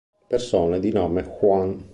Persone di nome Juan